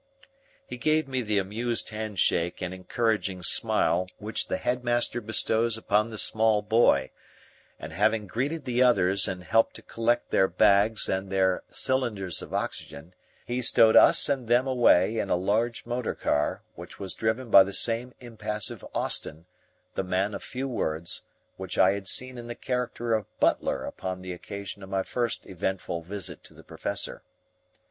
He gave me the amused hand shake and encouraging smile which the head master bestows upon the small boy, and, having greeted the others and helped to collect their bags and their cylinders of oxygen, he stowed us and them away in a large motor car which was driven by the same impassive Austin, the man of few words, whom I had seen in the character of butler upon the occasion of my first eventful visit to the Professor.